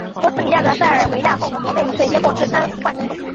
波斯尼亚的塞尔维亚共和国被洪水淹没至瘫痪程度。